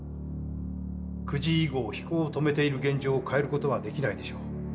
９時以後飛行を止めている現状を変えることはできないでしょう。